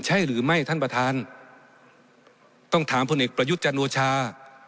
ใช่หรือไม่ท่านปฐานต้องถามพนิกประยุจจโนชา